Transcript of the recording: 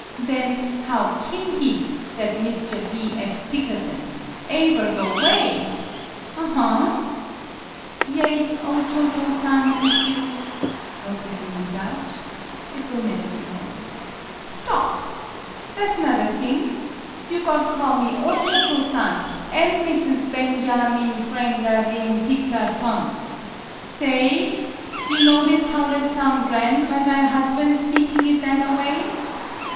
Then, how kin he, that Mr. B. F. Pikkerton, ae ver go 'way? Aha!" " Yaet, O Cho Cho San, if you" Was this a new doubt ? It will never be known. "Stop! Tha' 's 'nother thing. You got call me O Cho Cho San, an' Missus Ben ja meen Frang a leen Pikkerton. Sa 0>v you notize how that soun' gran' when my hos ban' speaking it that aways